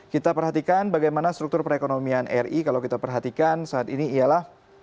kita perhatikan bagaimana struktur perekonomian ri kalau kita perhatikan saat ini ialah